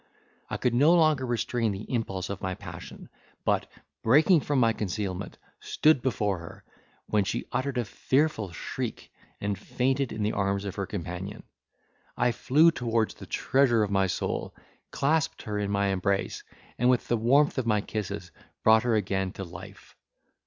I could no longer restrain the impulse of my passion, but, breaking from my concealment, stood before her, when she uttered a fearful shriek, and fainted in the arms of her companion. I flew towards the treasure of my soul, clasped her in my embrace, and with the warmth of my kisses, brought her again to life.